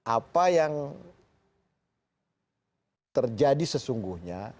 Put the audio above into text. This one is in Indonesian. apa yang terjadi sesungguhnya